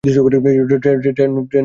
Train ছেড়েই দিবে।